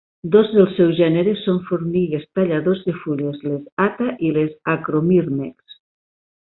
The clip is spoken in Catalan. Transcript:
Dos dels seus gèneres són formigues talladors de fulles, les "Atta" i les "Acromyrmex".